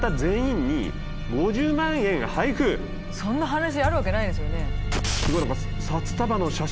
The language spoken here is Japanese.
そんな話あるわけないですよね。